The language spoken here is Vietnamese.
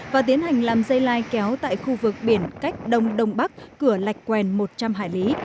và tiến hành làm dây lai kéo tại khu vực biển cách đông đông bắc cửa lạch quèn một trăm linh hải lý